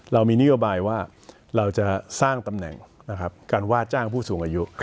เรามีนโยบายว่าเราจะสร้างตำแหน่งการว่าจ้างผู้สูงอายุ